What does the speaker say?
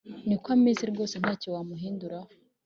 Niko ameze rwose ntacyo wamuhindura ho